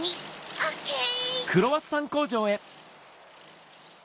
オッケー！